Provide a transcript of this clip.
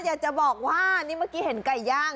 อยากจะบอกว่านี่เมื่อกี้เห็นไก่ย่าง